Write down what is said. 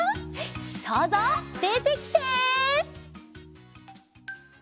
そうぞうでてきて！